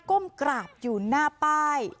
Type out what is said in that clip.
ก้มกราบอยู่หน้าป้าย